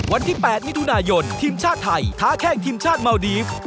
วันที่๘มิถุนายนทีมชาติไทยท้าแข้งทีมชาติเมาดีฟ